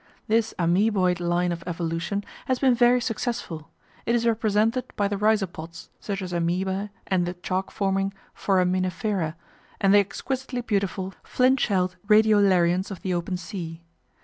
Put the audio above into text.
This amoeboid line of evolution has been very successful; it is represented by the Rhizopods, such as Amoebæ and the chalk forming Foraminifera and the exquisitely beautiful flint shelled Radiolarians of the open sea.